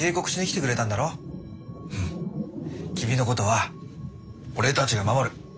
君のことは俺たちが守る。